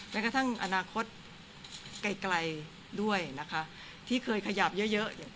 กระทั่งอนาคตไกลด้วยนะคะที่เคยขยับเยอะ